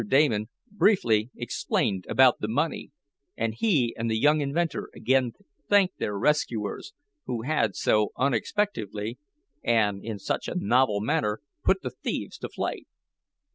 Damon briefly explained about the money, and he and the young inventor again thanked their rescuers, who had so unexpectedly, and in such a novel manner, put the thieves to flight.